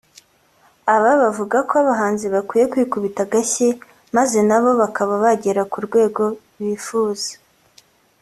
Aba bavuga ko abahanzi bakwiye kwikubita agashyi maze na bo bakaba bagera ku rwego bifuza